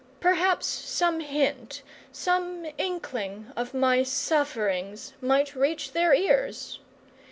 Perhaps some hint, some inkling of my sufferings might reach their ears.